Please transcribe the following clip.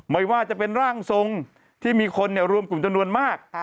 ไม่ว่าจะเป็นร่างทรงที่มีคนรวมกลุ่มจำนวนมาก